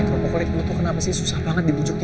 eh kropo kulit lo tuh kenapa sih susah banget dibujuknya